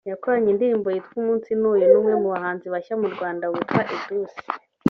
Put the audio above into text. yakoranye indirimbo yitwa “Umunsi Ni Uyu” n’umwe mu bahanzi bashya mu Rwanda witwa Edouce